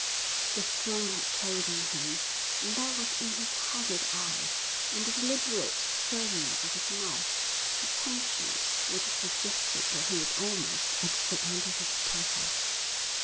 The strain had told on him, and there was in his haggard eyes, in the deliberate firmness of his mouth, a tension which suggested that he was almost at the end of his tether.